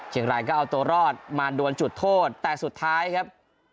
เชียงรายก็เอาตัวรอดมาดวนจุดโทษแต่สุดท้ายครับ